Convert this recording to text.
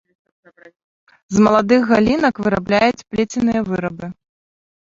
З маладых галінак вырабляюць плеценыя вырабы.